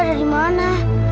sali ada di mana